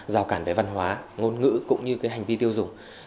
rào cản về văn hóa ngôn ngữ cũng như cái hành vi tiêu dùng